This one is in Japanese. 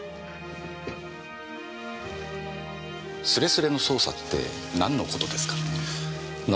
すれすれの捜査ってなんのことですかねぇ？